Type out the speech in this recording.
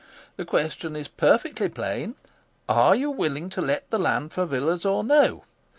The question is perfectly plain. Are you willing to let the land for villas or no?